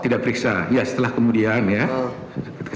tidak periksa ya setelah kemudian ya